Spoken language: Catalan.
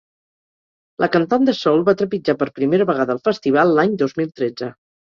La cantant de soul va trepitjar per primera vegada el festival l’any dos mil tretze.